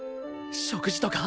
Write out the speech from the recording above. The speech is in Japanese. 食事とか？